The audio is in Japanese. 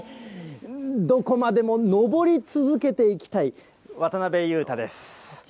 どこまでものぼり続けていきたい、渡辺裕太です。